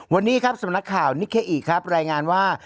วันนี้ครับสำนักข่าวนิเคอีครับรายงานว่า